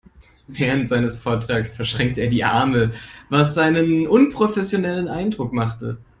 Während seines Vortrages verschränkte er die Arme, was einen unprofessionellen Eindruck machte.